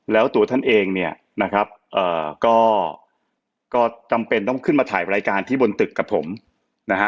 แล้วตัวท่านเองเนี่ยนะครับก็จำเป็นต้องขึ้นมาถ่ายรายการที่บนตึกกับผมนะฮะ